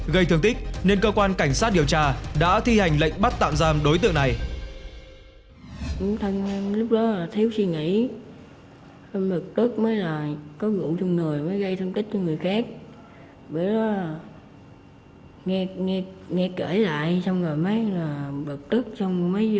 bây giờ thấy em đang hối hận